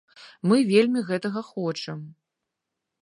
Мы вельмі гэтага хочам.